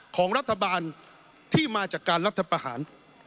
ของรัฐบาลที่มาจากการรัฐประหาร